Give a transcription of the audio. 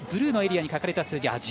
ブルーのエリアに書かれた数字。